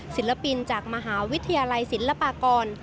ศิลปินจากมหาวิทยาลัยศิลปากร